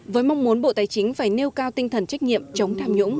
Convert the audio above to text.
với mong muốn bộ tài chính phải nêu cao tinh thần trách nhiệm chống tham nhũng